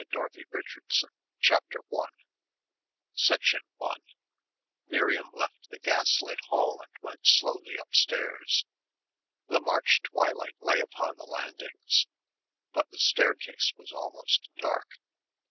POINTED ROOFS CHAPTER I 1 Miriam left the gaslit hall and went slowly upstairs. The March twilight lay upon the landings, but the staircase was almost dark.